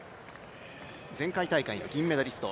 前回大会、銀メダリスト。